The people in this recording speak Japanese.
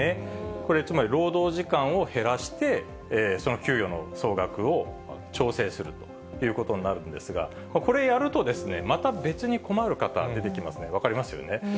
これ、つまり労働時間を減らして、その給与の総額を調整するということになるんですが、これやると、また別に困る方、出てきますね、分かりますよね。